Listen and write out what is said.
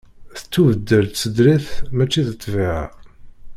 Tettubeddal tsedrit mačči d ṭṭbiɛa.